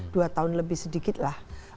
dua tahun lebih sedikit lah